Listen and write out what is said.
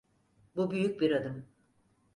Bu büyük bir adım.